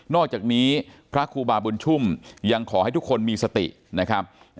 อกจากนี้พระครูบาบุญชุ่มยังขอให้ทุกคนมีสตินะครับ